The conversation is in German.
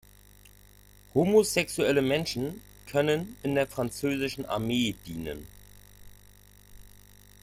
Homosexuelle Menschen können in der französischen Armee dienen.